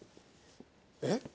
えっ？